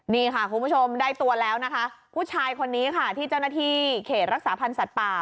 นี่ค่ะคุณผู้ชมได้ตัวแล้วนะคะผู้ชายคนนี้ค่ะที่เจ้าหน้าที่เขตรักษาพันธ์สัตว์ป่า